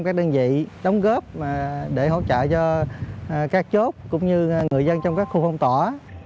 các đơn vị đóng góp để hỗ trợ cho các chốt cũng như người dân trong các khu phong tỏa